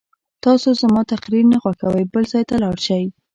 که تاسو زما تقریر نه خوښوئ بل ځای ته لاړ شئ.